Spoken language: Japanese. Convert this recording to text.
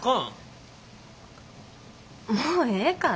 もうええから。